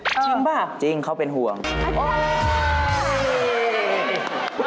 จริงป่ะจริงเขาเป็นห่วงโอ้โฮโอ้โฮ